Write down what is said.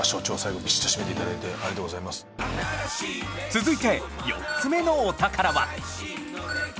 続いて４つ目のお宝は